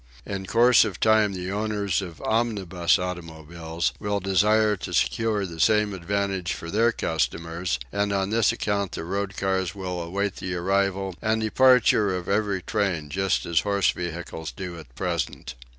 In course of time the owners of "omnibus automobiles" will desire to secure the same advantage for their customers, and on this account the road cars will await the arrival and departure of every train just as horse vehicles do at present.